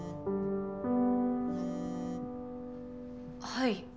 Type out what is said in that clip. はい。